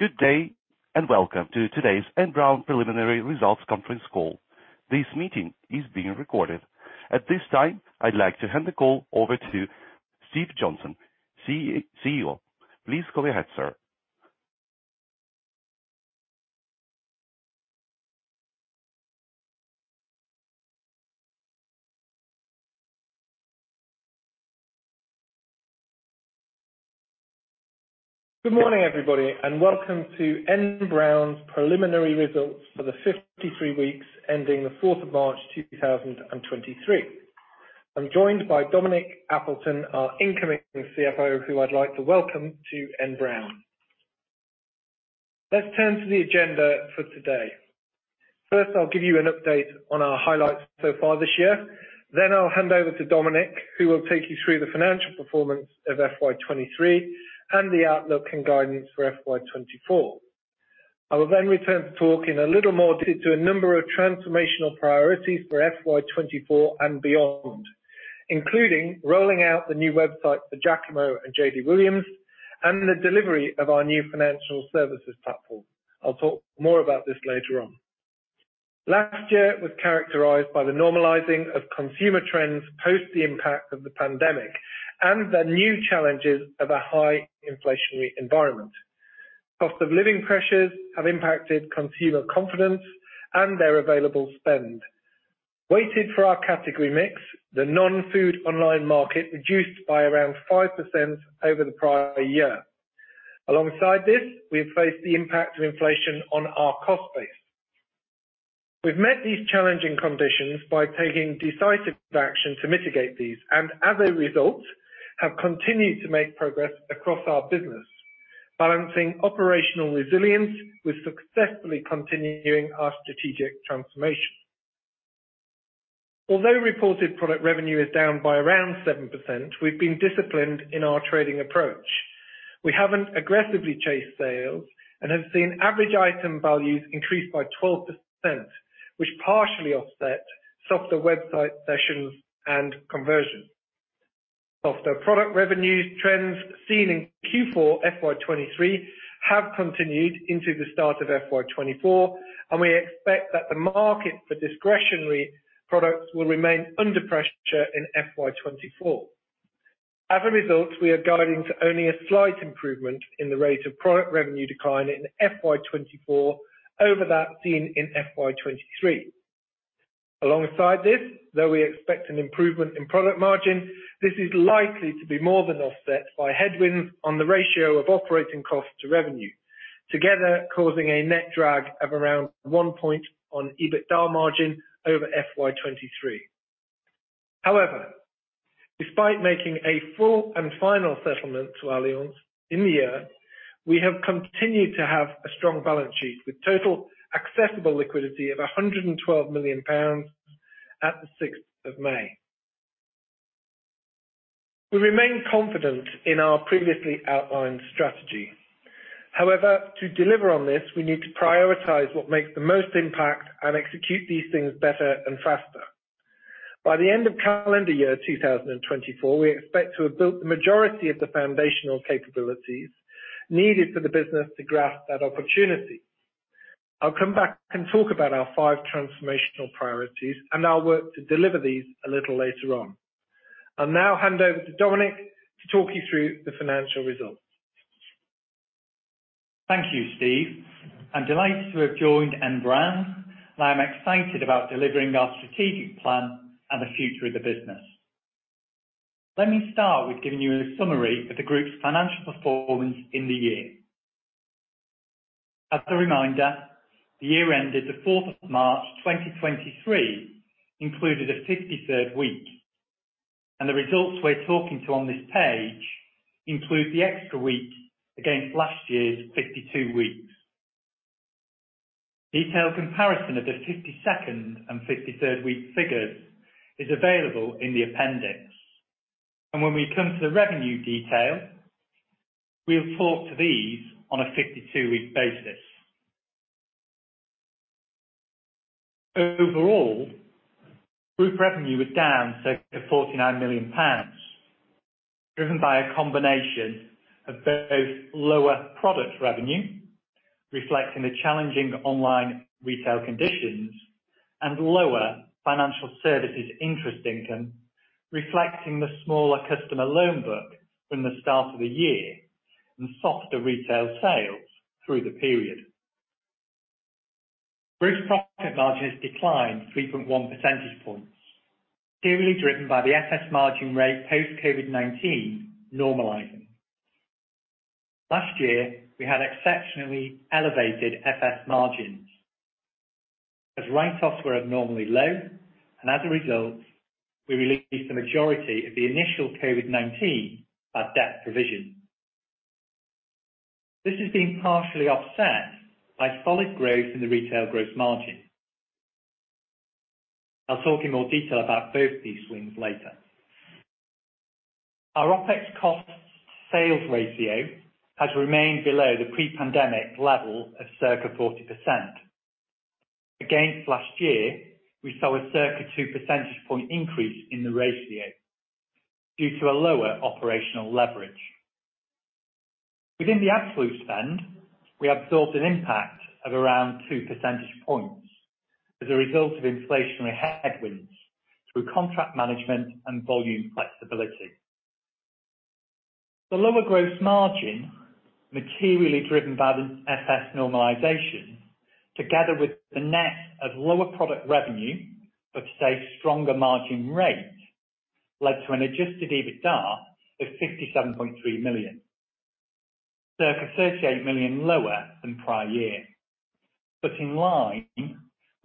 Good day, welcome to today's N Brown preliminary results conference call. This meeting is being recorded. At this time, I'd like to hand the call over to Steve Johnson, CEO. Please go ahead, sir. Good morning, everybody, and welcome to N Brown's preliminary results for the 53 weeks ending the March 4th, 2023. I'm joined by Dominic Appleton, our incoming CFO, who I'd like to welcome to N Brown. Let's turn to the agenda for today. First, I'll give you an update on our highlights so far this year. I'll hand over to Dominic, who will take you through the financial performance of FY 2023 and the outlook and guidance for FY 2024. I will then return to talk in a little more detail to a number of transformational priorities for FY 2024 and beyond, including rolling out the new website for Jacamo and JD Williams, and the delivery of our new financial services platform. I'll talk more about this later on. Last year was characterized by the normalizing of consumer trends post the impact of the pandemic, and the new challenges of a high inflationary environment. Cost of living pressures have impacted consumer confidence and their available spend. Weighted for our category mix, the non-food online market reduced by around 5% over the prior year. Alongside this, we have faced the impact of inflation on our cost base. We've met these challenging conditions by taking decisive action to mitigate these, and as a result, have continued to make progress across our business, balancing operational resilience with successfully continuing our strategic transformation. Although reported product revenue is down by around 7%, we've been disciplined in our trading approach. We haven't aggressively chased sales and have seen average item values increase by 12%, which partially offset softer website sessions and conversions. Softer product revenues trends seen in Q4 FY 2023 have continued into the start of FY 2024. We expect that the market for discretionary products will remain under pressure in FY 2024. As a result, we are guiding to only a slight improvement in the rate of product revenue decline in FY 2024 over that seen in FY 2023. Alongside this, though we expect an improvement in product margin, this is likely to be more than offset by headwinds on the ratio of operating costs to revenue, together causing a net drag of around one point on EBITDA margin over FY 2023. However, despite making a full and final settlement to Allianz in the year, we have continued to have a strong balance sheet with total accessible liquidity of 112 million pounds at the May 6th. We remain confident in our previously outlined strategy. To deliver on this, we need to prioritize what makes the most impact and execute these things better and faster. By the end of calendar year 2024, we expect to have built the majority of the foundational capabilities needed for the business to grasp that opportunity. I'll come back and talk about our five transformational priorities and our work to deliver these a little later on. I'll now hand over to Dominic to talk you through the financial results. Thank you, Steve. I'm delighted to have joined N Brown, and I am excited about delivering our strategic plan and the future of the business. Let me start with giving you a summary of the group's financial performance in the year. As a reminder, the year ended the fourth of March, 2023, included a 53rd week, and the results we're talking to on this page include the extra week against last year's 52 weeks. Detailed comparison of the 52nd and 53rd week figures is available in the appendix. When we turn to the revenue detail, we have talked to these on a 52-week basis. Overall, group revenue was down to 49 million pounds, driven by a combination of both lower product revenue, reflecting the challenging online retail conditions, and lower financial services interest income, reflecting the smaller customer loan book from the start of the year and softer retail sales through the period. Gross profit margin has declined 3.1 percentage points, clearly driven by the FS margin rate post COVID-19 normalizing. Last year, we had exceptionally elevated FS margins, as write-offs were abnormally low, and as a result, we released the majority of the initial COVID-19 debt provision. This has been partially offset by solid growth in the retail gross margin. I'll talk in more detail about both these swings later. Our OPEX cost sales ratio has remained below the pre-pandemic level of circa 40%. Against last year, we saw a circa 2 percentage point increase in the ratio due to a lower operational leverage. Within the absolute spend, we absorbed an impact of around 2 percentage points as a result of inflationary headwinds through contract management and volume flexibility. The lower gross margin, materially driven by the FS normalization, together with the net of lower product revenue, but a stronger margin rate, led to an adjusted EBITDA of 57.3 million, circa 38 million lower than prior year, but in line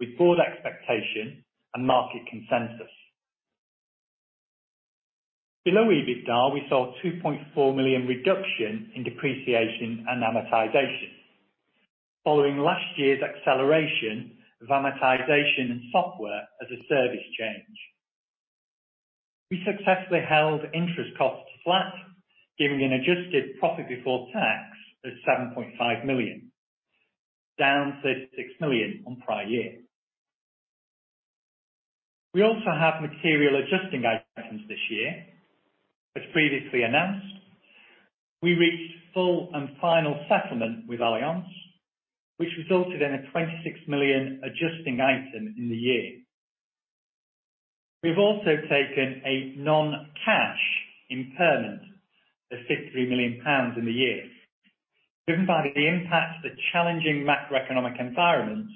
with Board expectation and market consensus. Below EBITDA, we saw a 2.4 million reduction in depreciation and amortization, following last year's acceleration of amortization and software as a service change. We successfully held interest costs flat, giving an adjusted profit before tax of 7.5 million, down 36 million on prior year. We also have material adjusting items this year. As previously announced, we reached full and final settlement with Allianz, which resulted in a 26 million adjusting item in the year. We've also taken a non-cash impairment of GBP 63 million in the year, driven by the impact of the challenging macroeconomic environment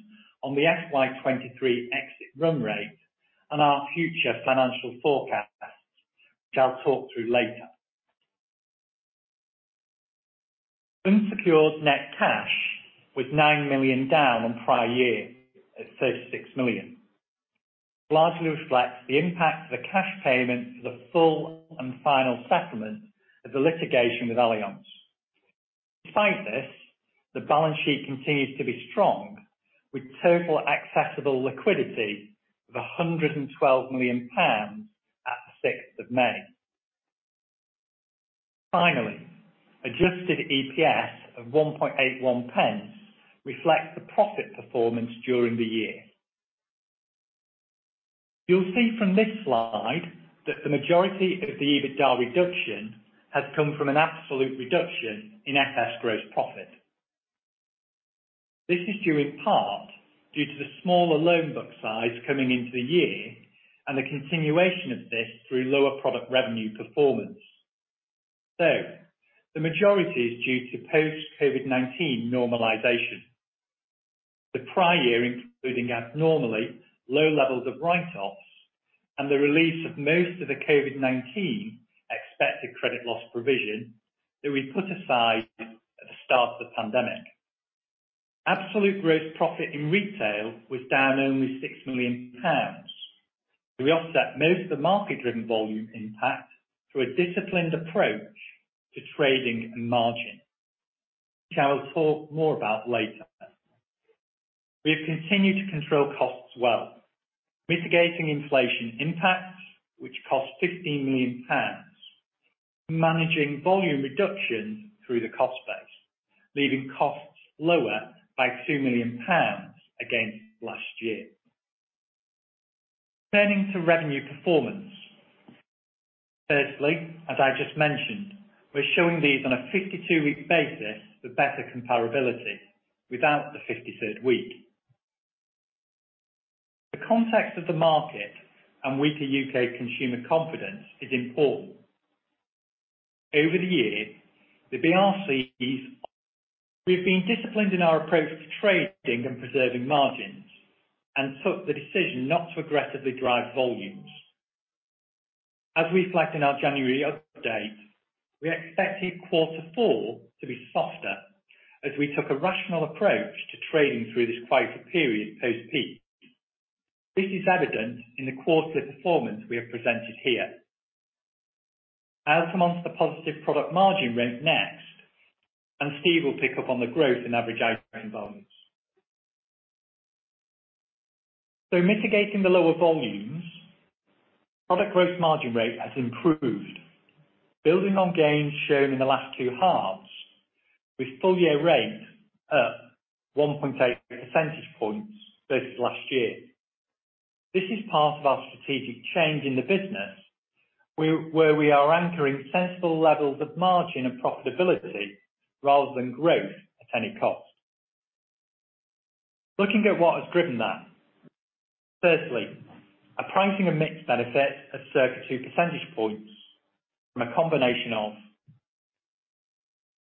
on the FY 2023 exit run rate and our future financial forecasts, which I'll talk through later. Unsecured net cash was 9 million down on prior year at 36 million. Largely reflects the impact of the cash payment for the full and final settlement of the litigation with Allianz. Despite this, the balance sheet continues to be strong, with total accessible liquidity of 112 million pounds at the May 6th. Finally, adjusted EPS of 1.81 pence reflects the profit performance during the year. You'll see from this slide that the majority of the EBITDA reduction has come from an absolute reduction in FS gross profit. This is due in part due to the smaller loan book size coming into the year and the continuation of this through lower product revenue performance. The majority is due to post COVID-19 normalization. The prior year, including abnormally low levels of write-offs and the release of most of the COVID-19 expected credit loss provision that we put aside at the start of the pandemic. Absolute gross profit in retail was down only 6 million pounds. We offset most of the market-driven volume impact through a disciplined approach to trading and margin, which I will talk more about later. We have continued to control costs well, mitigating inflation impacts, which cost 15 million pounds, managing volume reductions through the cost base, leaving costs lower by 2 million pounds against last year. Turning to revenue performance. Firstly, as I just mentioned, we're showing these on a 52-week basis for better comparability without the 53rd week. The context of the market and weaker U.K. consumer confidence is important. Over the years, the BRC. We've been disciplined in our approach to trading and preserving margins, and took the decision not to aggressively drive volumes. As reflected in our January update, we expected quarter four to be softer as we took a rational approach to trading through this quieter period post-peak. This is evident in the quarterly performance we have presented here. I'll come on to the positive product margin rate next. Steve will pick up on the growth in average item volumes. Mitigating the lower volumes, product gross margin rate has improved, building on gains shown in the last two halves, with full-year rate up 1.8 percentage points versus last year. This is part of our strategic change in the business, where we are anchoring sensible levels of margin and profitability rather than growth at any cost. Looking at what has driven that. A pricing and mix benefit of circa 2 percentage points from a combination of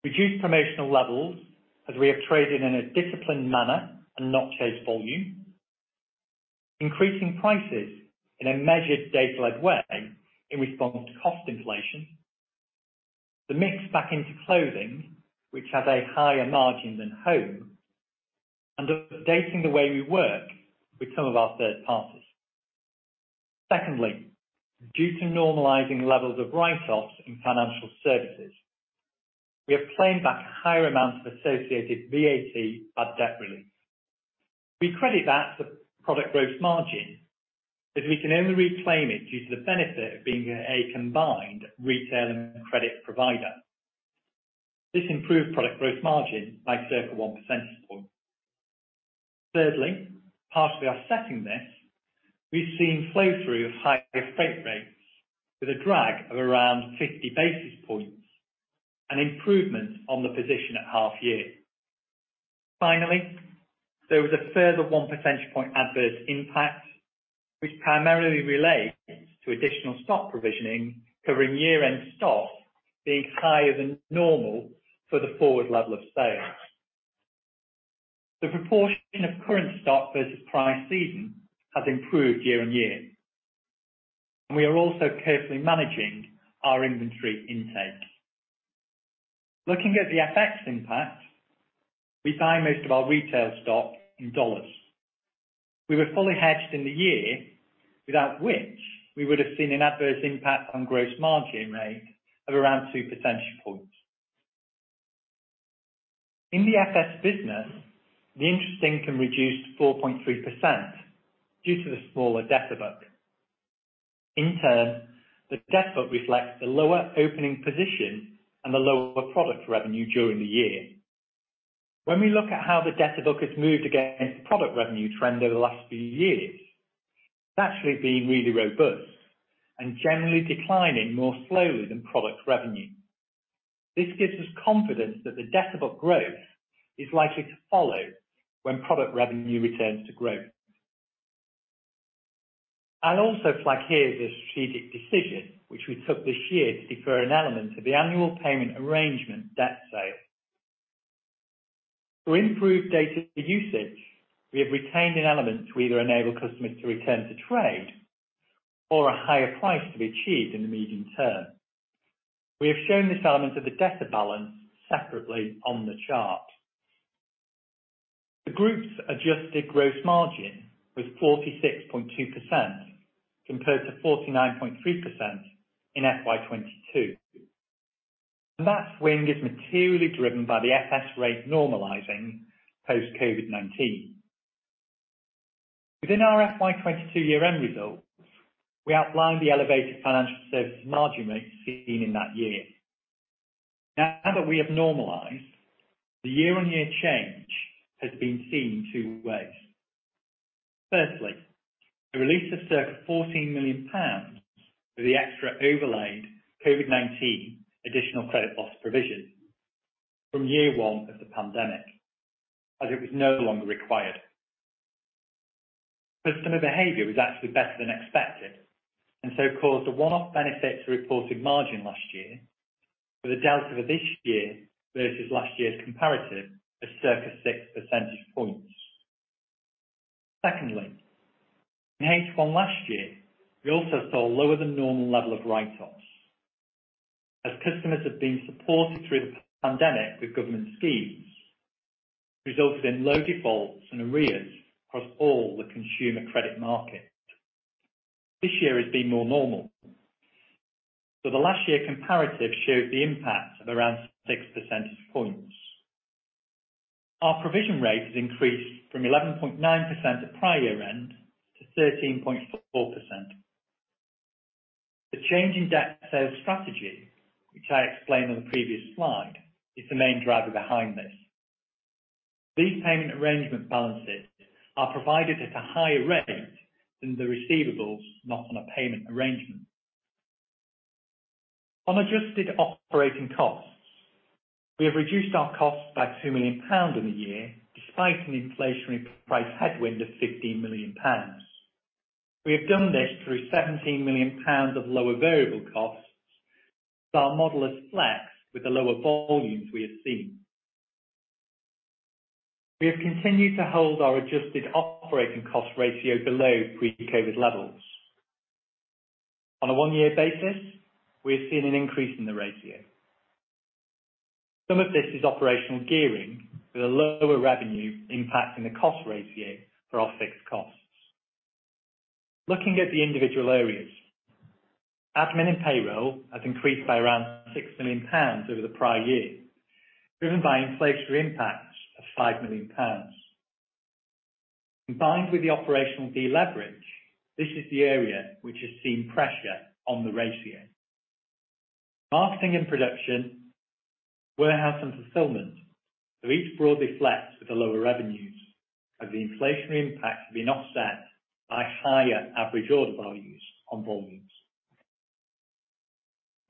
reduced promotional levels as we have traded in a disciplined manner and not chase volume, increasing prices in a measured data-led way in response to cost inflation, the mix back into clothing, which has a higher margin than home, and updating the way we work with some of our third parties. Due to normalizing levels of write-offs in financial services, we have claimed back higher amounts of associated VAT on debt relief. We credit that to product gross margin, as we can only reclaim it due to the benefit of being a combined retail and credit provider. This improved product growth margin by circa 1 percentage point. Partially offsetting this, we've seen flow-through of higher freight rates with a drag of around 50 basis points, an improvement on the position at half year. There was a further 1 percentage point adverse impact, which primarily relates to additional stock provisioning, covering year-end stock being higher than normal for the forward level of sales. The proportion of current stock versus prior season has improved year on year, and we are also carefully managing our inventory intakes. Looking at the FX impact, we buy most of our retail stock in dollars. We were fully hedged in the year, without which we would have seen an adverse impact on gross margin rate of around 2 percentage points. In the FS business, the interest income reduced to 4.3% due to the smaller debt of book. In turn, the debt book reflects the lower opening position and the lower product revenue during the year. When we look at how the debt of book has moved against product revenue trend over the last few years, it's actually been really robust and generally declining more slowly than product revenue. This gives us confidence that the debt of book growth is likely to follow when product revenue returns to growth. I'll also flag here the strategic decision, which we took this year to defer an element of the annual payment arrangement debt sale. To improve data usage, we have retained an element to either enable customers to return to trade or a higher price to be achieved in the medium term. We have shown this element of the debtor balance separately on the chart. The group's adjusted gross margin was 46.2%, compared to 49.3% in FY 2022. That swing is materially driven by the FS rate normalizing post COVID-19. Within our FY 2022 year-end results, we outlined the elevated financial services margin rate seen in that year. That we have normalized, the year-over-year change has been seen two ways. Firstly, a release of circa 14 million pounds for the extra overlaid COVID-19 additional credit loss provision from year one of the pandemic, as it was no longer required. Customer behavior was actually better than expected, caused a one-off benefit to reported margin last year, with a delta for this year versus last year's comparative of circa 6 percentage points. Secondly, in H1 last year, we also saw a lower than normal level of write-offs, as customers have been supported through the pandemic with government schemes, resulting in low defaults and arrears across all the consumer credit market. This year has been more normal, the last year comparative showed the impact of around 6 percentage points. Our provision rate has increased from 11.9% at prior year-end to 13.4%. The change in debt sales strategy, which I explained on the previous slide, is the main driver behind this. These payment arrangement balances are provided at a higher rate than the receivables, not on a payment arrangement. On adjusted operating costs, we have reduced our costs by 2 million pounds in the year, despite an inflationary price headwind of 15 million pounds. We have done this through 17 million pounds of lower variable costs. Our model is flexed with the lower volumes we have seen. We have continued to hold our adjusted operating cost ratio below pre-COVID-19 levels. On a one-year basis, we have seen an increase in the ratio. Some of this is operational gearing, with a lower revenue impacting the cost ratio for our fixed costs. Looking at the individual areas, admin and payroll has increased by around 6 million pounds over the prior year, driven by inflationary impacts of 5 million pounds. Combined with the operational deleverage, this is the area which has seen pressure on the ratio. Marketing and production, warehouse and fulfillment have each broadly flat with the lower revenues, as the inflationary impacts have been offset by higher average order values on volumes.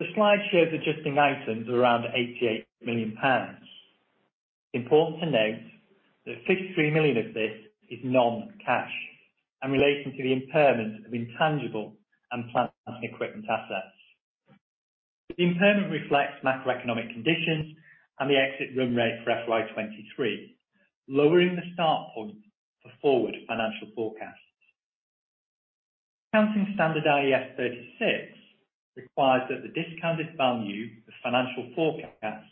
The slide shows adjusting items of around 88 million pounds. Important to note that 53 million of this is non-cash and relating to the impairment of intangible and plant and equipment assets. The impairment reflects macroeconomic conditions and the exit run rate for FY 2023, lowering the start point for forward financial forecasts. Accounting standard IAS 36 requires that the discounted value of financial forecasts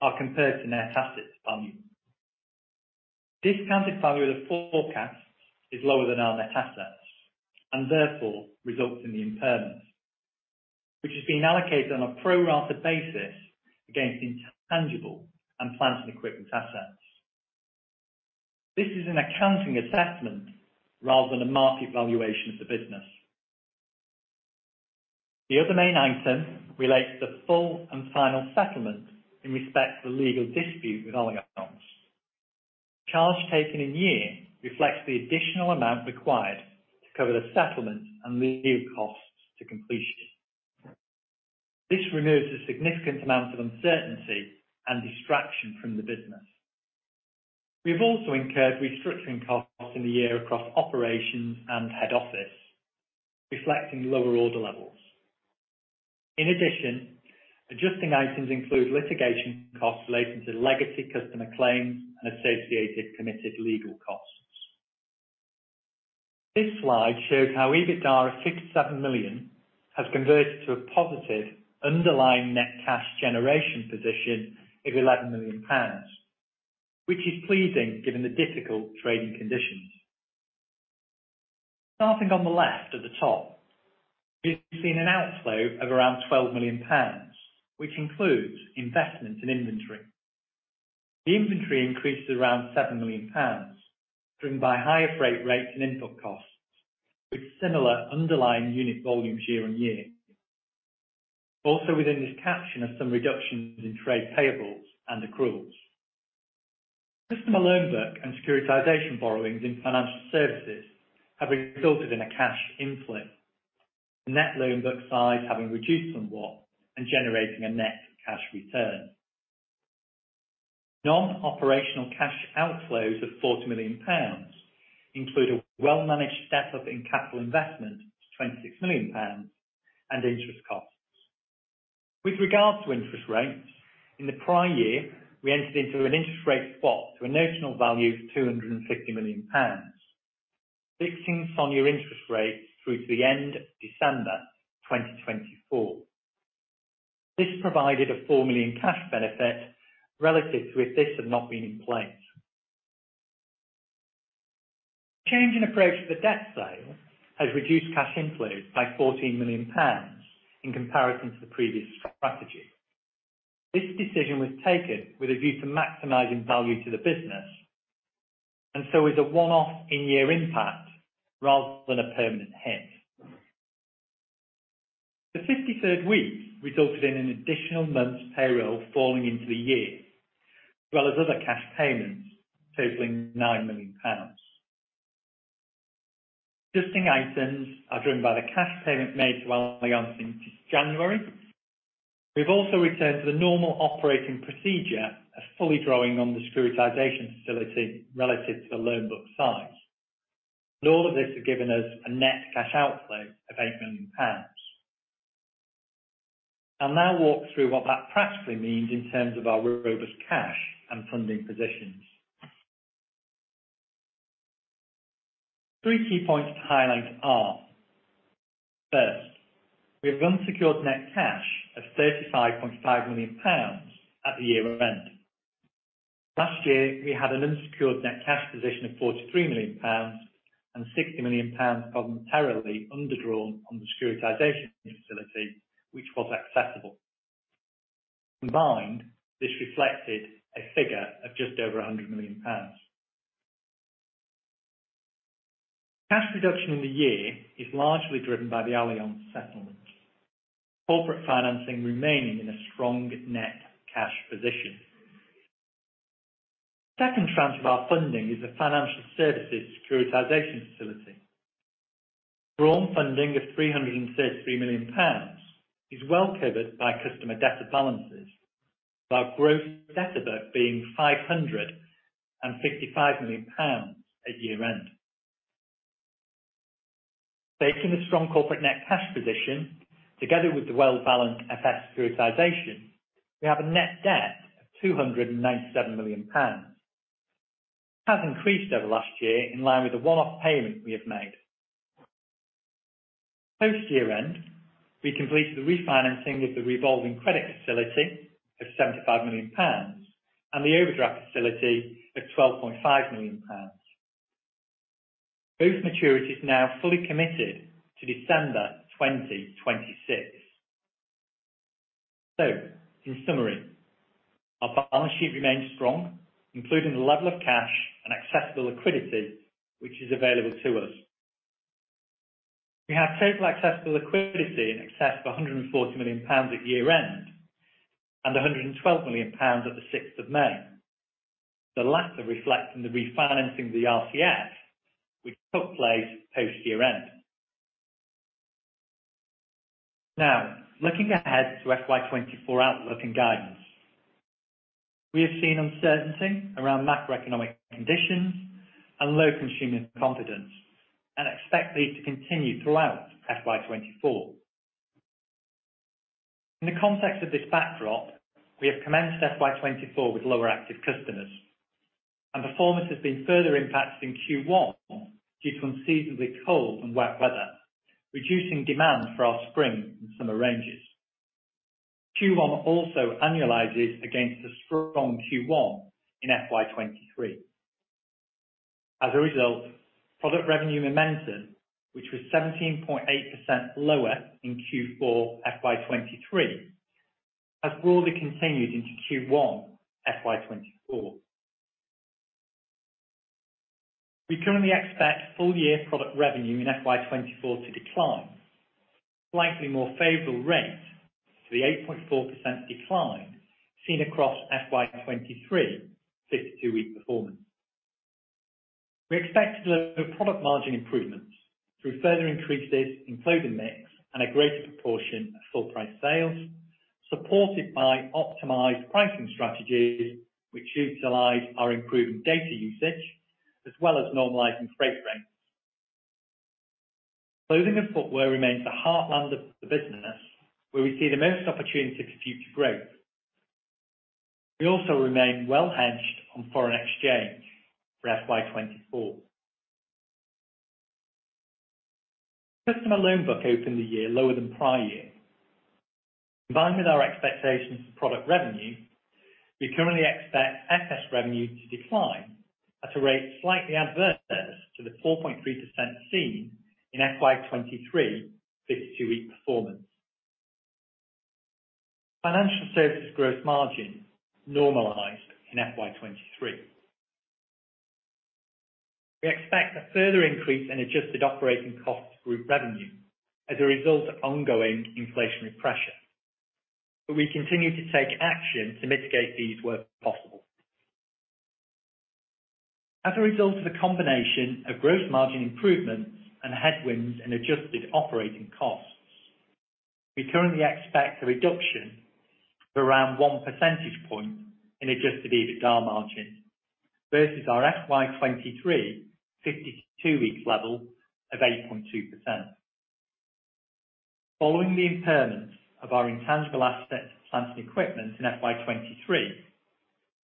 are compared to net assets value. Discounted value of the forecast is lower than our net assets, and therefore, results in the impairment, which has been allocated on a pro-rata basis against intangible and plant and equipment assets. This is an accounting assessment rather than a market valuation of the business.... The other main item relates to the full and final settlement in respect to the legal dispute with Allianz. The charge taken in year reflects the additional amount required to cover the settlement and legal costs to completion. This removes a significant amount of uncertainty and distraction from the business. We've also incurred restructuring costs in the year across operations and head office, reflecting lower order levels. In addition, adjusting items include litigation costs relating to legacy customer claims and associated committed legal costs. This slide shows how EBITDA of 67 million has converted to a positive underlying net cash generation position of 11 million pounds, which is pleasing given the difficult trading conditions. Starting on the left at the top, we've seen an outflow of around 12 million pounds, which includes investment in inventory. The inventory increases around 7 million pounds, driven by higher freight rates and input costs, with similar underlying unit volumes year-on-year. Also within this caption are some reductions in trade payables and accruals. Customer loan book and securitisation borrowings in financial services have resulted in a cash inflow, the net loan book size having reduced somewhat and generating a net cash return. Non-operational cash outflows of 40 million pounds include a well-managed step-up in capital investment to 26 million pounds and interest costs. With regards to interest rates, in the prior year, we entered into an interest rate swap to a notional value of 250 million pounds, fixing SONIA interest rates through to the end of December 2024. This provided a 4 million cash benefit relative to if this had not been in place. Change in approach to the debt sale has reduced cash inflows by 14 million pounds in comparison to the previous strategy. This decision was taken with a view to maximizing value to the business, is a one-off in-year impact rather than a permanent hit. The 53rd week resulted in an additional month's payroll falling into the year, as well as other cash payments totaling 9 million pounds. Adjusting items are driven by the cash payment made to Allianz in January. We've also returned to the normal operating procedure of fully drawing on the securitization facility relative to the loan book size. All of this has given us a net cash outflow of 8 million pounds. I'll now walk through what that practically means in terms of our robust cash and funding positions. Three key points to highlight are: First, we have unsecured net cash of 35.5 million pounds at the year end. Last year, we had an unsecured net cash position of 43 million pounds and 60 million pounds momentarily under drawn on the securitization facility, which was accessible. Combined, this reflected a figure of just over 100 million pounds. Cash reduction in the year is largely driven by the Allianz settlement, corporate financing remaining in a strong net cash position. Second tranche of our funding is the financial services securitization facility. Drawn funding of 333 million pounds is well covered by customer data balances, with our gross debtor book being GBP 555 million at year-end. Based on the strong corporate net cash position, together with the well-balanced FS securitisation, we have a net debt of 297 million pounds. Has increased over the last year in line with the one-off payment we have made. Post year-end, we completed the refinancing of the revolving credit facility of 75 million pounds and the overdraft facility of 12.5 million pounds. Both maturities now fully committed to December 2026. In summary, our balance sheet remains strong, including the level of cash and accessible liquidity, which is available to us. We have total accessible liquidity in excess of 140 million pounds at year-end, and 112 million pounds at the May 6th. The latter reflecting the refinancing of the RCF, which took place post year-end. Looking ahead to FY 2024 outlook and guidance. We have seen uncertainty around macroeconomic conditions and low consumer confidence, and expect these to continue throughout FY 2024. In the context of this backdrop, we have commenced FY 2024 with lower active customers, and performance has been further impacted in Q1 due to unseasonably cold and wet weather, reducing demand for our spring and summer ranges. Q1 also annualizes against a strong Q1 in FY 2023. As a result, product revenue momentum, which was 17.8% lower in Q4 FY 2023, has broadly continued into Q1 FY 2024. We currently expect full year product revenue in FY 2024 to decline, slightly more favorable rate to the 8.4% decline seen across FY 2023, 52-week performance. We expect lower product margin improvements through further increases in clothing mix and a greater proportion of full price sales, supported by optimized pricing strategies, which utilize our improving data usage as well as normalizing freight rates. Clothing and footwear remains the heartland of the business, where we see the most opportunity for future growth. We also remain well hedged on foreign exchange for FY 2024. Customer loan book opened the year lower than prior year. Combined with our expectations for product revenue, we currently expect access revenue to decline at a rate slightly adverse to the 4.3% seen in FY 2023, 52-week performance. Financial services gross margin normalized in FY 2023. We expect a further increase in adjusted operating costs group revenue as a result of ongoing inflationary pressure. We continue to take action to mitigate these where possible. As a result of a combination of gross margin improvements and headwinds and adjusted operating costs, we currently expect a reduction of around one percentage point in adjusted EBITDA margin versus our FY 2023, 52-week level of 8.2%. Following the impairment of our intangible assets, plant, and equipment in FY 2023,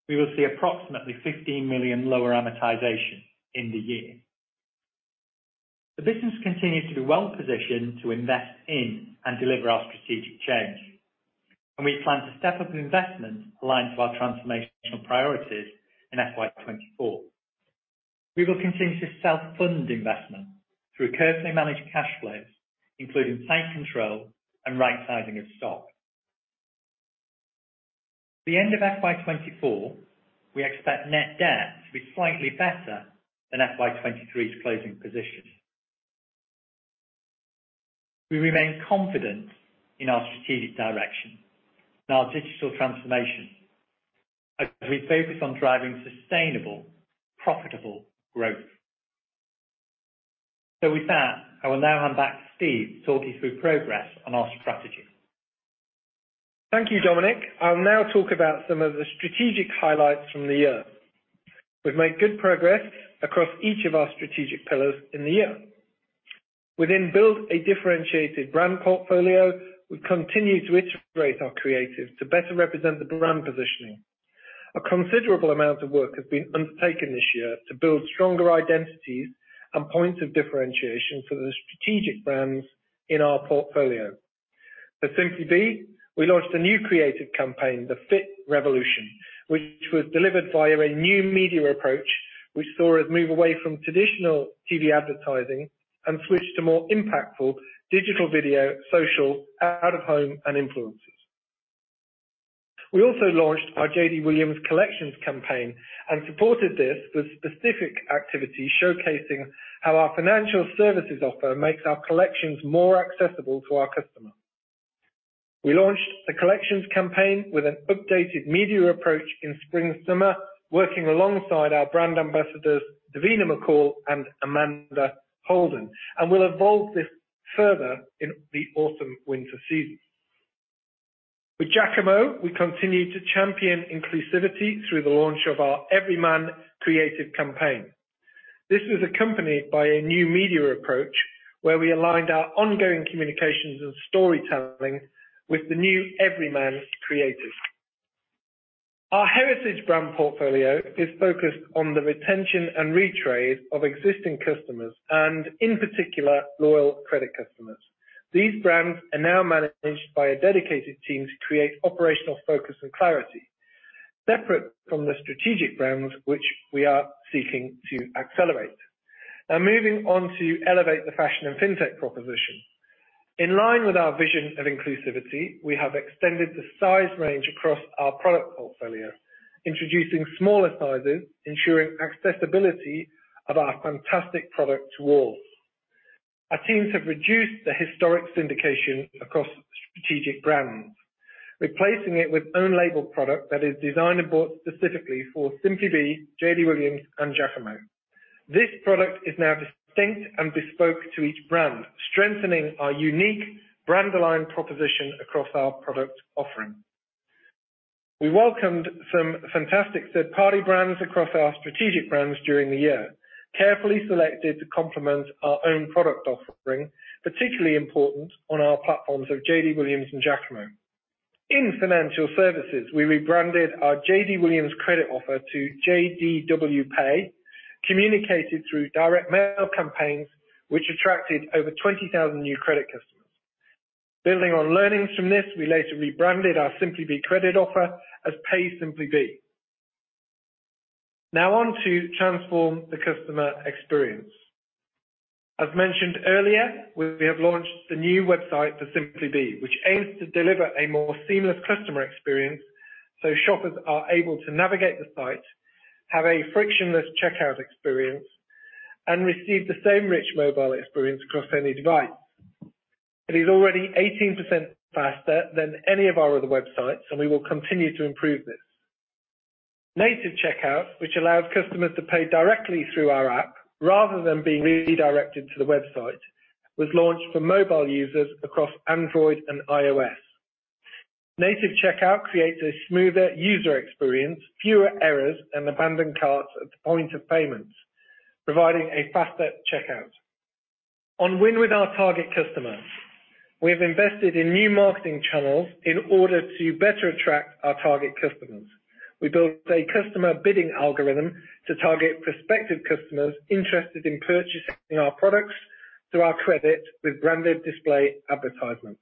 we will see approximately 15 million lower amortization in the year. The business continues to be well positioned to invest in and deliver our strategic change. We plan to step up investment aligned to our transformational priorities in FY 2024. We will continue to self-fund investment through carefully managed cash flows, including tight control and right sizing of stock. The end of FY 2024, we expect net debt to be slightly better than FY 2023's closing position. We remain confident in our strategic direction and our digital transformation as we focus on driving sustainable, profitable growth. With that, I will now hand back to Steve to talk you through progress on our strategy. Thank you, Dominic. I'll now talk about some of the strategic highlights from the year. We've made good progress across each of our strategic pillars in the year. Within build a differentiated brand portfolio, we continue to iterate our creative to better represent the brand positioning. A considerable amount of work has been undertaken this year to build stronger identities and points of differentiation for the strategic brands in our portfolio. At Simply Be, we launched a new creative campaign, The Fit Revolution, which was delivered via a new media approach, which saw us move away from traditional TV advertising and switch to more impactful digital video, social, out of home, and influencers. We also launched our JD Williams collections campaign and supported this with specific activities, showcasing how our financial services offer makes our collections more accessible to our customers. We launched the collections campaign with an updated media approach in spring, summer, working alongside our brand ambassadors, Davina McCall and Amanda Holden, and we'll evolve this further in the autumn, winter season. With Jacamo, we continue to champion inclusivity through the launch of our For Every Man creative campaign. This was accompanied by a new media approach, where we aligned our ongoing communications and storytelling with the new For Every Man creative. Our heritage brand portfolio is focused on the retention and retrade of existing customers, and in particular, loyal credit customers. These brands are now managed by a dedicated team to create operational focus and clarity, separate from the strategic brands, which we are seeking to accelerate. Now, moving on to elevate the fashion and fintech proposition. In line with our vision of inclusivity, we have extended the size range across our product portfolio, introducing smaller sizes, ensuring accessibility of our fantastic product to all. Our teams have reduced the historic syndication across strategic brands, replacing it with own label product that is designed and bought specifically for Simply Be, JD Williams, and Jacamo. This product is now distinct and bespoke to each brand, strengthening our unique brand line proposition across our product offering. We welcomed some fantastic third-party brands across our strategic brands during the year, carefully selected to complement our own product offering, particularly important on our platforms of JD Williams and Jacamo. In financial services, we rebranded our JD Williams credit offer to JDW Pay, communicated through direct mail campaigns, which attracted over 20,000 new credit customers. Building on learnings from this, we later rebranded our Simply Be credit offer as Pay Simply Be. Now on to transform the customer experience. As mentioned earlier, we have launched the new website for Simply Be, which aims to deliver a more seamless customer experience, so shoppers are able to navigate the site, have a frictionless checkout experience, and receive the same rich mobile experience across any device. It is already 18% faster than any of our other websites, and we will continue to improve this. Native Checkout, which allows customers to pay directly through our app rather than being redirected to the website, was launched for mobile users across Android and iOS. Native Checkout creates a smoother user experience, fewer errors and abandoned carts at the point of payments, providing a faster checkout. On win with our target customers, we have invested in new marketing channels in order to better attract our target customers. We built a customer bidding algorithm to target prospective customers interested in purchasing our products through our credit with branded display advertisements.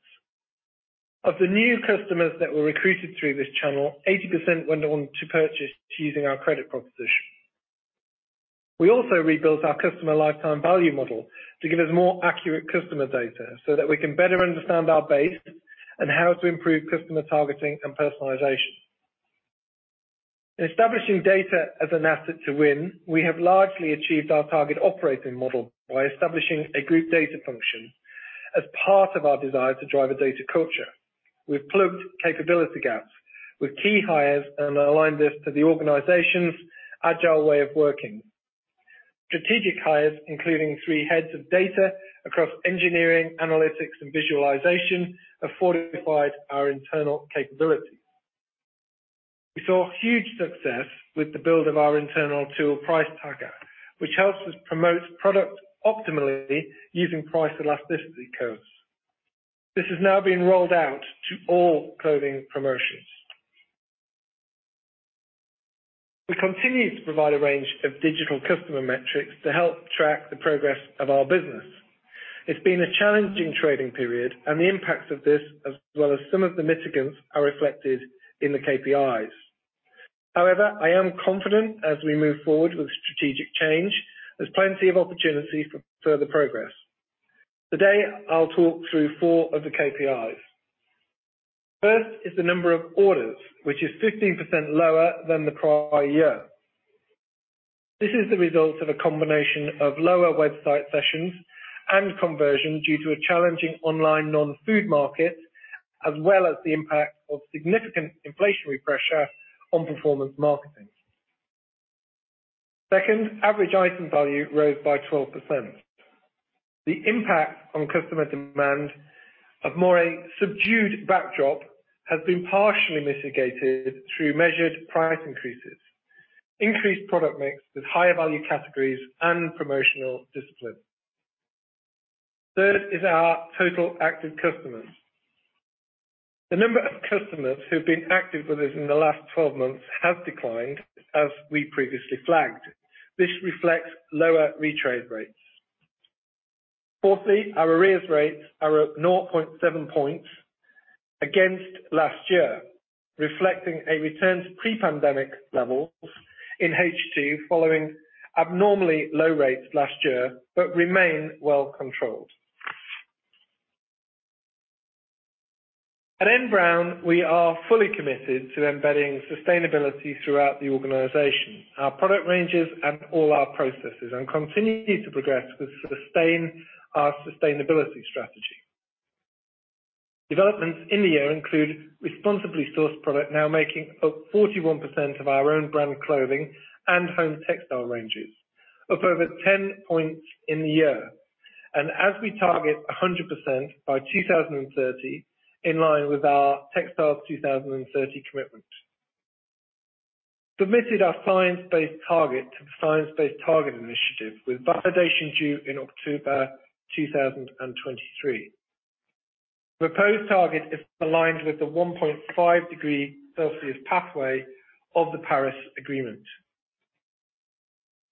Of the new customers that were recruited through this channel, 80% went on to purchase using our credit proposition. We also rebuilt our customer lifetime value model to give us more accurate customer data, so that we can better understand our base and how to improve customer targeting and personalization. Establishing data as an asset to win, we have largely achieved our target operating model by establishing a group data function as part of our desire to drive a data culture. We've plugged capability gaps with key hires and aligned this to the organization's agile way of working. Strategic hires, including three heads of data across engineering, analytics, and visualization, have fortified our internal capability. We saw huge success with the build of our internal tool, Price Tagger, which helps us promote product optimally using price elasticity curves. This is now being rolled out to all clothing promotions. We continue to provide a range of digital customer metrics to help track the progress of our business. It's been a challenging trading period, the impacts of this, as well as some of the mitigants, are reflected in the KPIs. However, I am confident as we move forward with strategic change, there's plenty of opportunity for further progress. Today, I'll talk through four of the KPIs. First is the number of orders, which is 15% lower than the prior year. This is the result of a combination of lower website sessions and conversion due to a challenging online non-food market, as well as the impact of significant inflationary pressure on performance marketing. Second, average item value rose by 12%. The impact on customer demand of more a subdued backdrop has been partially mitigated through measured price increases, increased product mix with higher value categories, and promotional discipline. Third is our total active customers. The number of customers who've been active with us in the last 12 months has declined as we previously flagged. This reflects lower retrade rates. Fourthly, our arrears rates are at 0.7 points against last year, reflecting a return to pre-pandemic levels in H2, following abnormally low rates last year, but remain well controlled. At N Brown, we are fully committed to embedding sustainability throughout the organization, our product ranges, and all our processes, and continue to progress with sustain our sustainability strategy. Developments in the year include responsibly sourced product now making up 41% of our own brand clothing and home textile ranges, up over 10 points in the year. As we target 100% by 2030, in line with our Textiles 2030 commitment. Submitted our science-based target to the Science Based Targets initiative, with validation due in October 2023. Proposed target is aligned with the 1.5 degrees Celsius pathway of the Paris Agreement.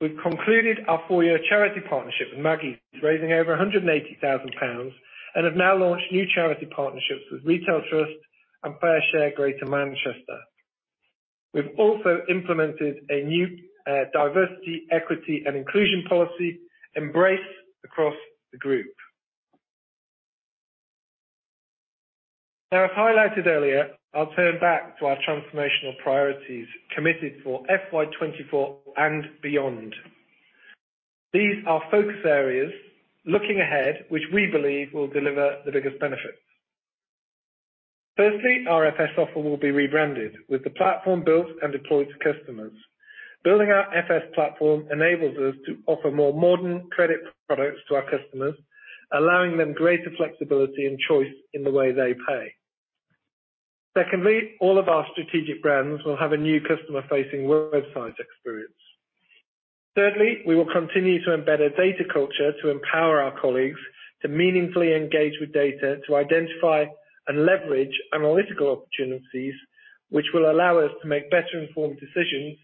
We've concluded our four-year charity partnership with Maggie's, raising over 180,000 pounds, and have now launched new charity partnerships with Retail Trust and FareShare Greater Manchester. We've also implemented a new diversity, equity, and inclusion policy Embrace across the group. As highlighted earlier, I'll turn back to our transformational priorities committed for FY 2024 and beyond. These are focus areas looking ahead, which we believe will deliver the biggest benefits. Firstly, our FS offer will be rebranded, with the platform built and deployed to customers. Building our FS platform enables us to offer more modern credit products to our customers, allowing them greater flexibility and choice in the way they pay. Secondly, all of our strategic brands will have a new customer-facing website experience. Thirdly, we will continue to embed a data culture to empower our colleagues to meaningfully engage with data, to identify and leverage analytical opportunities, which will allow us to make better informed decisions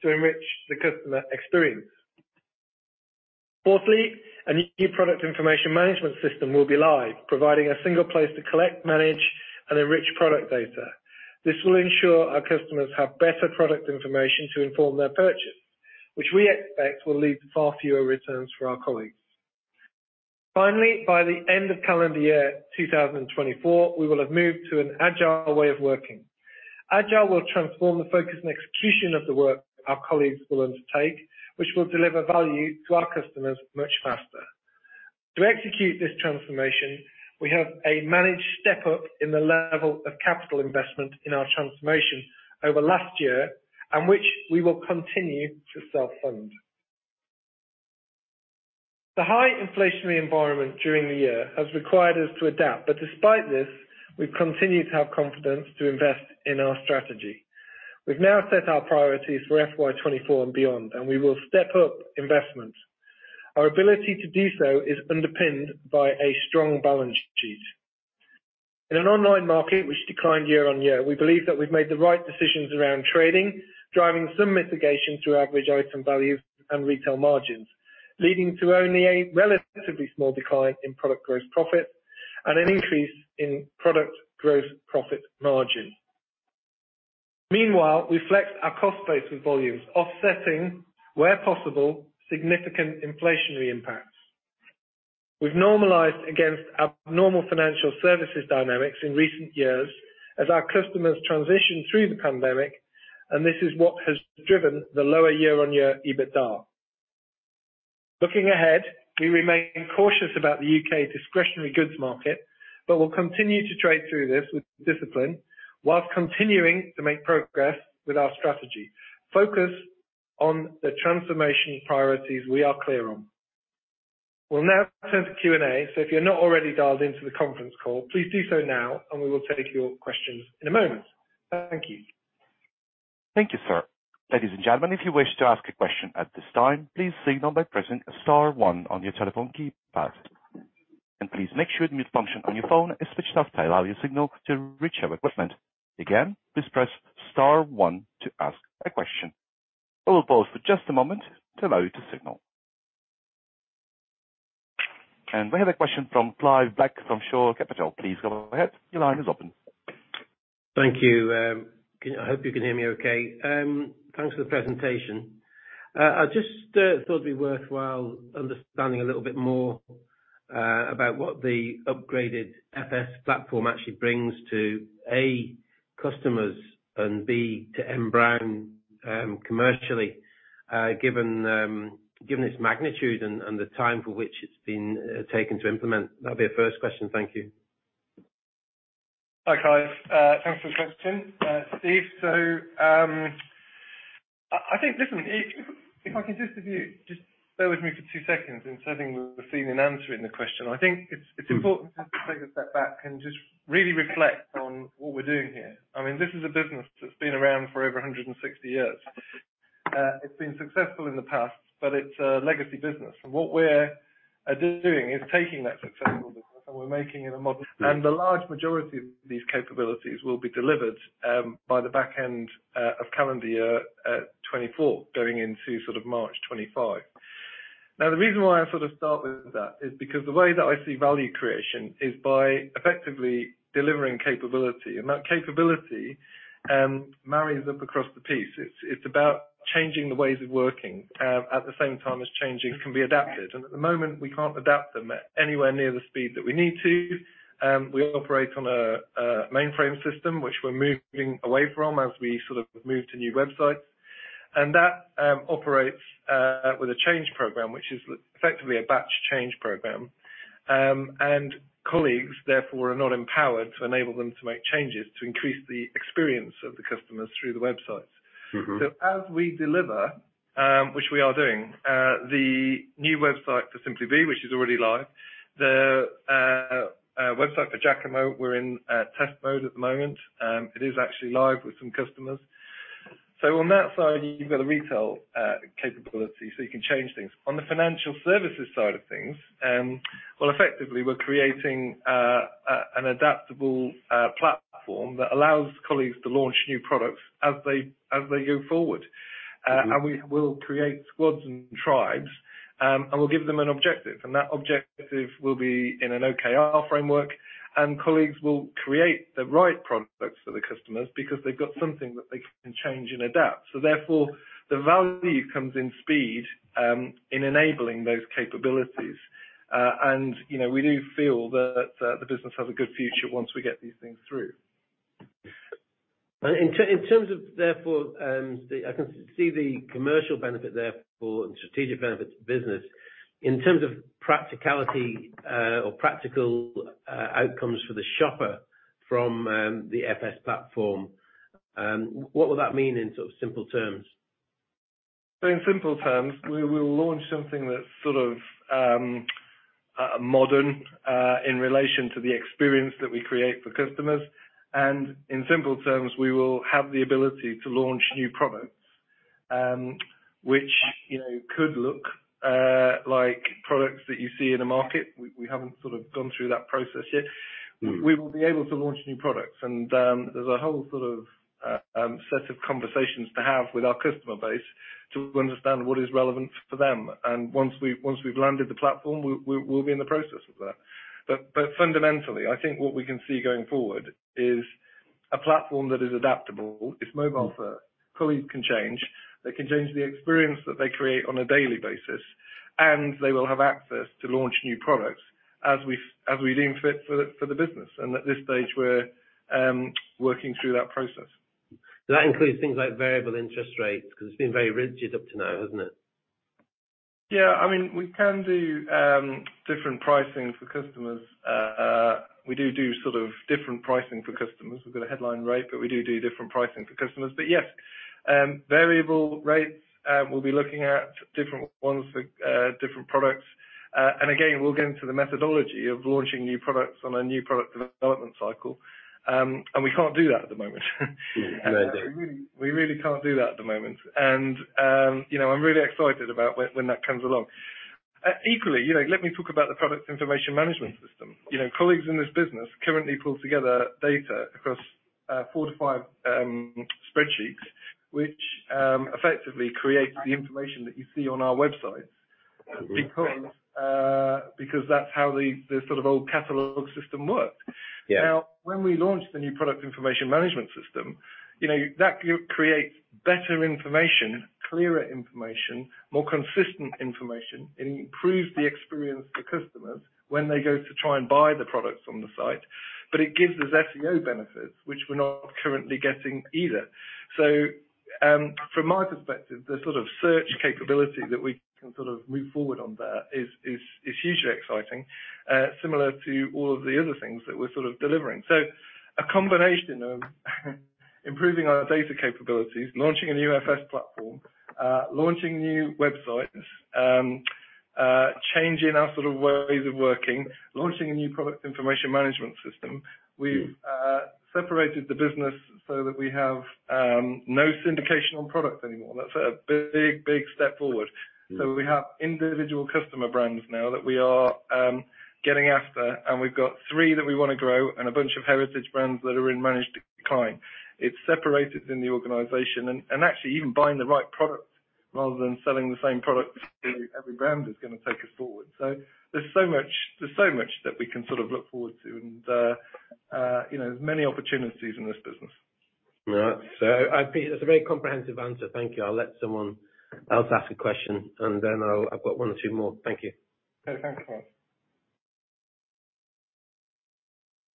to enrich the customer experience. Fourthly, a new product information management system will be live, providing a single place to collect, manage and enrich product data. This will ensure our customers have better product information to inform their purchase, which we expect will lead to far fewer returns for our colleagues. Finally, by the end of calendar year 2024, we will have moved to an agile way of working. Agile will transform the focus and execution of the work our colleagues will undertake, which will deliver value to our customers much faster. To execute this transformation, we have a managed step up in the level of capital investment in our transformation over last year, and which we will continue to self-fund. The high inflationary environment during the year has required us to adapt, but despite this, we've continued to have confidence to invest in our strategy. We've now set our priorities for FY 2024 and beyond, and we will step up investment. Our ability to do so is underpinned by a strong balance sheet. In an online market, which declined year-on-year, we believe that we've made the right decisions around trading, driving some mitigation through average item value and retail margins, leading to only a relatively small decline in product gross profit and an increase in product gross profit margin. Meanwhile, we flexed our cost base with volumes, offsetting, where possible, significant inflationary impacts. We've normalized against abnormal financial services dynamics in recent years as our customers transition through the pandemic, and this is what has driven the lower year-on-year EBITDA. Looking ahead, we remain cautious about the UK discretionary goods market, but we'll continue to trade through this with discipline whilst continuing to make progress with our strategy. Focus on the transformation priorities we are clear on. We'll now turn to Q&A. If you're not already dialed into the conference call, please do so now. We will take your questions in a moment. Thank you. Thank you, sir. Ladies and gentlemen, if you wish to ask a question at this time, please signal by pressing star one on your telephone keypad. Please make sure the mute function on your phone is switched off to allow your signal to reach our equipment. Again, please press star one to ask a question. I will pause for just a moment to allow you to signal. We have a question from Clive Black from Shore Capital. Please go ahead. Your line is open. Thank you. I hope you can hear me okay. Thanks for the presentation. I just thought it'd be worthwhile understanding a little bit more about what the upgraded FS platform actually brings to, A, customers, and B, to N Brown, commercially, given its magnitude and the time for which it's been taken to implement. That'll be our first question. Thank you. Hi, Clive. Thanks for the question, Steve. I think, listen, if I can just have you just bear with me for two seconds in setting the scene and answering the question. I think it's important to take a step back and just really reflect on what we're doing here. I mean, this is a business that's been around for over 160 years. It's been successful in the past, but it's a legacy business. What we're doing is taking that successful business, and we're making it a modern... The large majority of these capabilities will be delivered by the back end of calendar year 2024, going into sort of March 2025. The reason why I sort of start with that is because the way that I see value creation is by effectively delivering capability, and that capability marries up across the piece. It's about changing the ways of working, at the same time as changing can be adapted, and at the moment, we can't adapt them at anywhere near the speed that we need to. We operate on a mainframe system, which we're moving away from as we sort of move to new websites. That operates with a change program, which is effectively a batch change program. Colleagues, therefore, are not empowered to enable them to make changes to increase the experience of the customers through the websites. Mm-hmm. As we deliver, which we are doing, the new website for Simply Be, which is already live, the website for Jacamo, we're in test mode at the moment. It is actually live with some customers. On that side, you've got a retail capability, so you can change things. On the financial services side of things, well, effectively, we're creating an adaptable platform that allows colleagues to launch new products as they go forward. Mm-hmm. We will create squads and tribes, and we'll give them an objective, and that objective will be in an OKR framework, and colleagues will create the right products for the customers because they've got something that they can change and adapt. Therefore, the value comes in speed, in enabling those capabilities. You know, we do feel that the business has a good future once we get these things through. In terms of, therefore, I can see the commercial benefit, therefore, and strategic benefit to the business. In terms of practicality, or practical outcomes for the shopper from the FS platform, what will that mean in sort of simple terms? In simple terms, we will launch something that's sort of modern in relation to the experience that we create for customers. In simple terms, we will have the ability to launch new products, you know, could look like products that you see in the market. We haven't sort of gone through that process yet. Mm-hmm. We will be able to launch new products, and there's a whole sort of set of conversations to have with our customer base to understand what is relevant for them. Once we've landed the platform, we'll be in the process of that. Fundamentally, I think what we can see going forward is a platform that is adaptable. It's mobile first. Colleagues can change, they can change the experience that they create on a daily basis, and they will have access to launch new products as we deem fit for the business. At this stage, we're working through that process. That includes things like variable interest rates, because it's been very rigid up to now, hasn't it? Yeah, I mean, we can do different pricing for customers. We do sort of different pricing for customers. We've got a headline rate, but we do different pricing for customers. Yes, variable rates, we'll be looking at different ones for different products. Again, we'll get into the methodology of launching new products on a new product development cycle. We can't do that at the moment. Mm-hmm. Yeah. We really can't do that at the moment, you know, I'm really excited about when that comes along. Equally, you know, let me talk about the product information management system. You know, colleagues in this business currently pull together data across four to five spreadsheets, which effectively create the information that you see on our websites. Mm-hmm ... because that's how the sort of old catalog system worked. Yeah. Now, when we launch the new product information management system, you know, that creates better information, clearer information, more consistent information. It improves the experience for customers when they go to try and buy the products on the site, but it gives us SEO benefits, which we're not currently getting either. From my perspective, the sort of search capability that we can sort of move forward on there is hugely exciting, similar to all of the other things that we're sort of delivering. A combination of improving our data capabilities, launching a new FS platform, launching new websites, changing our sort of ways of working, launching a new product information management system. We've, separated the business so that we have, no syndication on products anymore. That's a big step forward. We have individual customer brands now that we are getting after, and we've got three that we wanna grow, and a bunch of heritage brands that are in managed decline. It's separated in the organization. Actually, even buying the right product rather than selling the same product to every brand, is gonna take us forward. There's so much that we can sort of look forward to, and, you know, there's many opportunities in this business. I think that's a very comprehensive answer. Thank you. I'll let someone else ask a question. I've got one or two more. Thank you. Okay, thanks, Mark.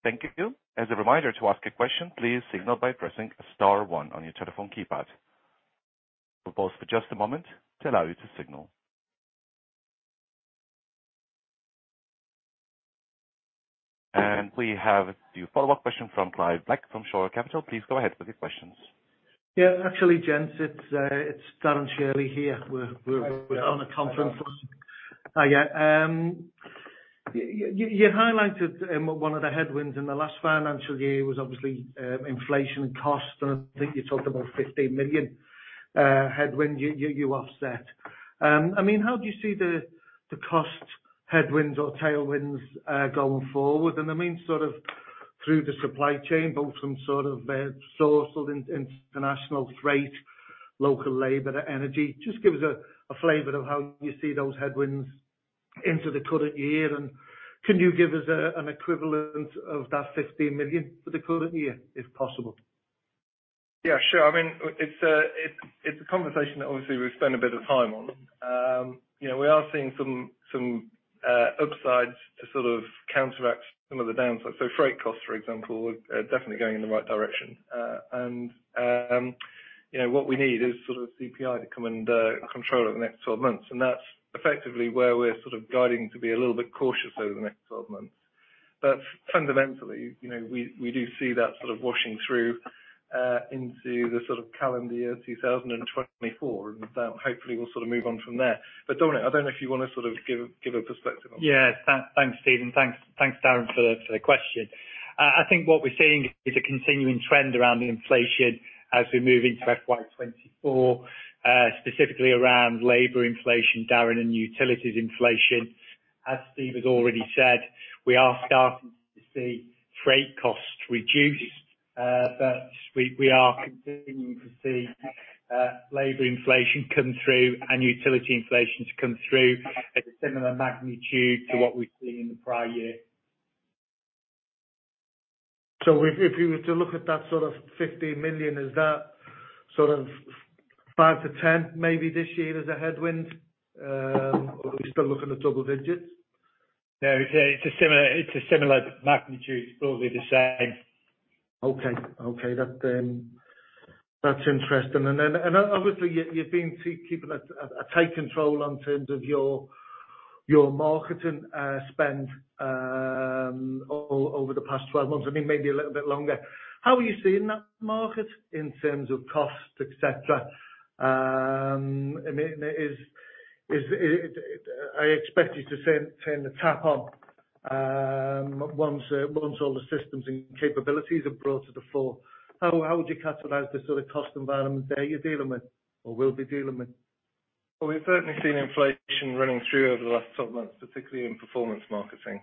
Thank you. As a reminder, to ask a question, please signal by pressing star one on your telephone keypad. We'll pause for just a moment to allow you to signal. We have the follow-up question from Clive Black, from Shore Capital. Please go ahead with your questions. Yeah, actually, gents, it's Darren Shirley here. We're. Hi, Darren. on a conference call. Hi, yeah. You highlighted one of the headwinds in the last financial year was obviously inflation and cost. I think you talked about 15 million headwind you offset. I mean, how do you see the cost headwinds or tailwinds going forward? I mean, sort of through the supply chain, both from sort of source, international freight, local labor, the energy. Just give us a flavor of how you see those headwinds into the current year, and can you give us an equivalent of that 15 million for the current year, if possible? Yeah, sure. I mean, it's a conversation that obviously we've spent a bit of time on. You know, we are seeing some upsides to sort of counteract some of the downsides. Freight costs, for example, are definitely going in the right direction. You know, what we need is sort of CPI to come under control over the next 12 months, and that's effectively where we're sort of guiding to be a little bit cautious over the next 12 months. Fundamentally, you know, we do see that sort of washing through into the sort of calendar year 2024, and hopefully, we'll sort of move on from there. Dominic, I don't know if you wanna sort of give a perspective on that. Thanks, Steve. Thanks, Darren, for the question. I think what we're seeing is a continuing trend around the inflation as we move into FY 2024, specifically around labor inflation, Darren, and utilities inflation. As Steve has already said, we are starting to see freight costs reduce, but we are continuing to see labor inflation come through and utility inflation to come through at a similar magnitude to what we've seen in the prior year. If you were to look at that sort of 15 million, is that sort of 5 million-10 million, maybe this year as a headwind? Or are we still looking at double digits? No, it's a similar, it's a similar magnitude. It's probably the same. Okay. That's interesting. Obviously, you've been keeping a tight control on terms of your marketing spend over the past 12 months, I mean, maybe a little bit longer. How are you seeing that market in terms of cost, et cetera? I mean, I expect you to turn the tap on once all the systems and capabilities are brought to the floor. How would you categorize the sort of cost environment that you're dealing with or will be dealing with? Well, we've certainly seen inflation running through over the last 12 months, particularly in performance marketing.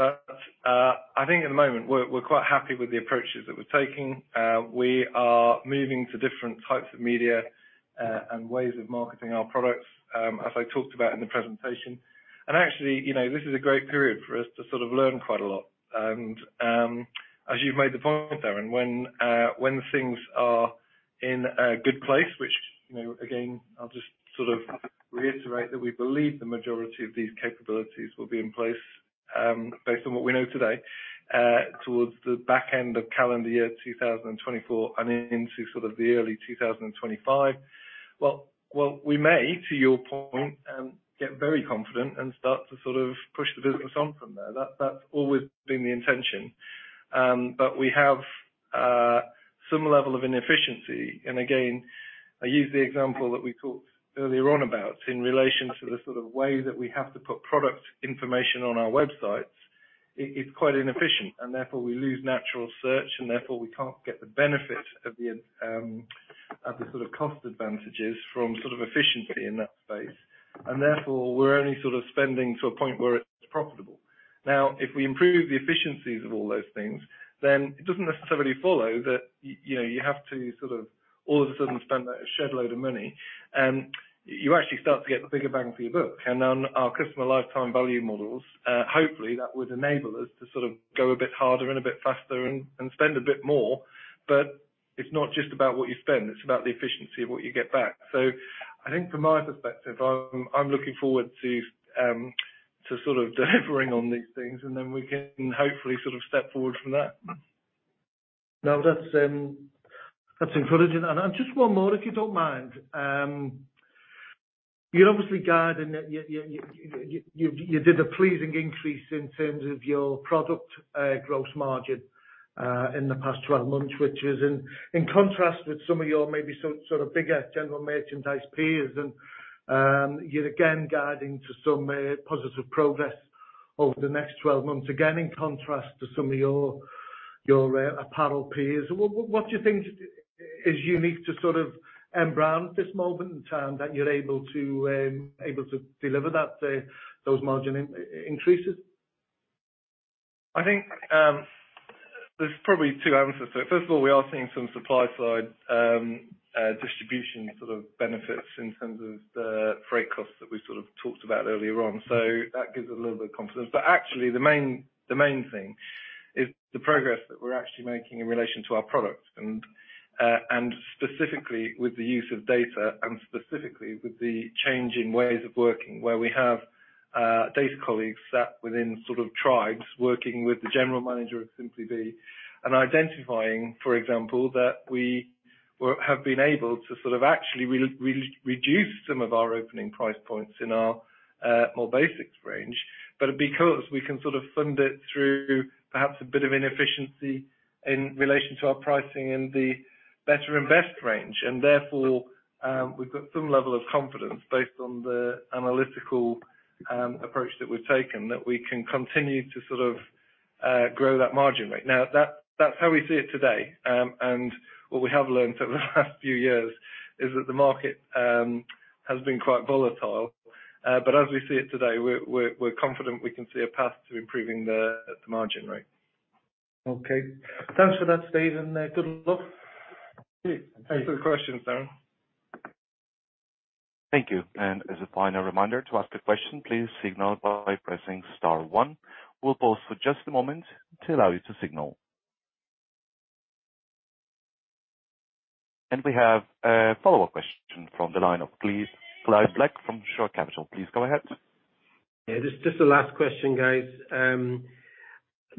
I think at the moment, we're quite happy with the approaches that we're taking. We are moving to different types of media, and ways of marketing our products, as I talked about in the presentation. Actually, you know, this is a great period for us to sort of learn quite a lot. As you've made the point, Darren, when things are in a good place, which, you know, again, I'll just sort of reiterate that we believe the majority of these capabilities will be in place, based on what we know today, towards the back end of calendar year 2024 and into sort of the early 2025. Well, we may, to your point, get very confident and start to sort of push the business on from there. That's always been the intention. We have some level of inefficiency, and again, I use the example that we talked earlier on about in relation to the sort of way that we have to put product information on our websites. It's quite inefficient, therefore, we lose natural search, and therefore, we can't get the benefit of the sort of cost advantages from sort of efficiency in that space. Therefore, we're only sort of spending to a point where it's profitable. If we improve the efficiencies of all those things, then it doesn't necessarily follow that you know, you have to sort of all of a sudden spend a shed load of money. You actually start to get the bigger bang for your book. On our customer lifetime value models, hopefully, that would enable us to sort of go a bit harder and a bit faster and spend a bit more. It's not just about what you spend, it's about the efficiency of what you get back. I think from my perspective, I'm looking forward to sort of delivering on these things, and then we can hopefully sort of step forward from that. No, that's encouraging. Just 1 more, if you don't mind. You're obviously guiding that you did a pleasing increase in terms of your product gross margin in the past 12 months, which is in contrast with some of your, maybe some sort of bigger general merchandise peers. You're again guiding to some positive progress over the next 12 months, again, in contrast to some of your apparel peers. What do you think is unique to sort of, N Brown at this moment in time, that you're able to deliver that those margin increases? I think, there's probably two answers to it. First of all, we are seeing some supply side, distribution sort of benefits in terms of the freight costs that we sort of talked about earlier on. That gives us a little bit of confidence. Actually, the main thing is the progress that we're actually making in relation to our products, and specifically with the use of data, and specifically with the changing ways of working, where we have, data colleagues sat within sort of tribes, working with the general manager of Simply Be, and identifying, for example, that we have been able to sort of actually reduce some of our opening price points in our, more basics range. Because we can sort of fund it through perhaps a bit of inefficiency in relation to our pricing in the better invest range, and therefore, we've got some level of confidence based on the analytical approach that we've taken, that we can continue to sort of grow that margin rate. Now, that's how we see it today. What we have learned over the last few years is that the market has been quite volatile. As we see it today, we're confident we can see a path to improving the margin rate. Okay. Thanks for that, Steve, and good luck. Thanks for the question, Darren. Thank you. As a final reminder, to ask a question, please signal by pressing star one. We'll pause for just a moment to allow you to signal. We have a follow-up question from the line of Clive Black from Shore Capital. Please go ahead. Yeah, just the last question, guys.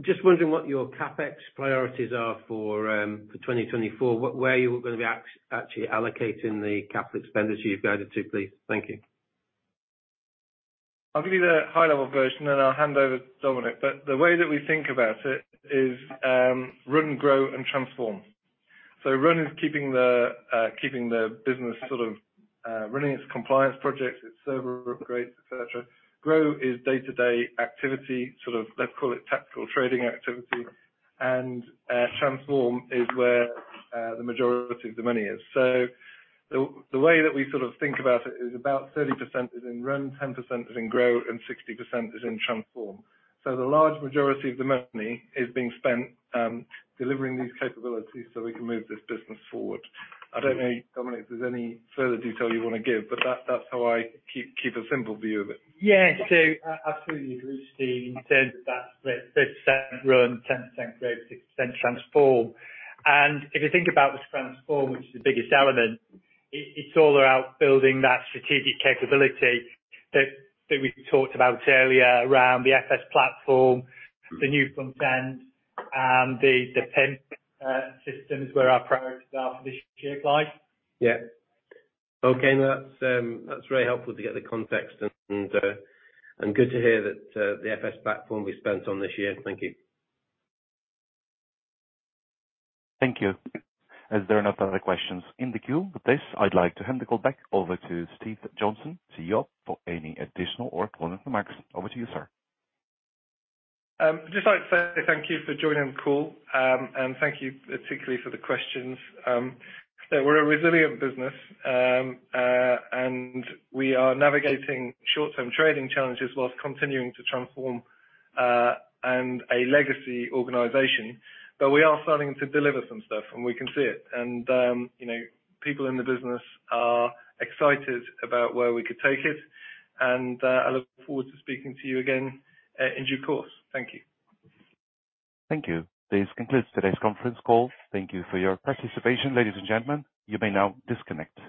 Just wondering what your CapEx priorities are for 2024. Where are you going to be actually allocating the capital expenditure you've guided to, please? Thank you. I'll give you the high-level version, and I'll hand over to Dominic. The way that we think about it is run, grow, and transform. Run is keeping the business sort of running its compliance projects, its server upgrades, et cetera. Grow is day-to-day activity, sort of, let's call it tactical trading activity. Transform is where the majority of the money is. The way that we sort of think about it is about 30% is in run, 10% is in grow, and 60% is in transform. The large majority of the money is being spent delivering these capabilities so we can move this business forward. I don't know, Dominic, if there's any further detail you want to give, but that's how I keep a simple view of it. I absolutely agree with Steve in terms of that split, 30% run, 10% grow, 60% transform. If you think about this transform, which is the biggest element, it's all about building that strategic capability that we talked about earlier around the FS platform, the new front end, and the PIM systems, where our priorities are for this year, Clive. Yeah. Okay, that's very helpful to get the context, and good to hear that the FS platform will be spent on this year. Thank you. Thank you. There are no further questions in the queue, with this, I'd like to hand the call back over to Steve Johnson, CEO, for any additional or concluding remarks. Over to you, Sir. I'd just like to say thank you for joining the call, and thank you particularly for the questions. We're a resilient business, and we are navigating short-term trading challenges whilst continuing to transform, and a legacy organization. We are starting to deliver some stuff, and we can see it. You know, people in the business are excited about where we could take it, and I look forward to speaking to you again, in due course. Thank you. Thank you. This concludes today's conference call. Thank you for your participation, ladies and gentlemen. You may now disconnect.